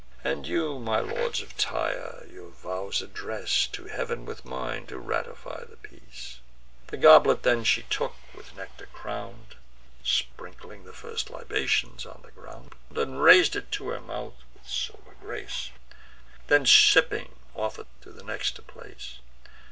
And you, my lords of Tyre, your vows address To Heav'n with mine, to ratify the peace." The goblet then she took, with nectar crown'd (Sprinkling the first libations on the ground,) And rais'd it to her mouth with sober grace; Then, sipping, offer'd to the next in place.